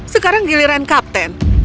sekarang giliran kapten